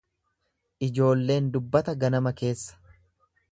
Ijoolleen dubbata ganama keessa.